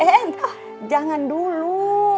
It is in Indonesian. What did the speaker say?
eh jangan dulu